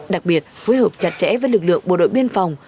đặc biệt phối hợp chặt chẽ với lực lượng bộ đội biên phòng